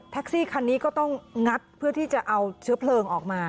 ซี่คันนี้ก็ต้องงัดเพื่อที่จะเอาเชื้อเพลิงออกมา